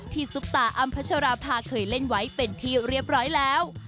ซุปตาอำพัชราภาเคยเล่นไว้เป็นที่เรียบร้อยแล้ว